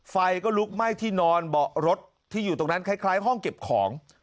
ไฟก็ลุกไหม้ที่นอนเบาะรถที่อยู่ตรงนั้นคล้ายห้องเก็บของ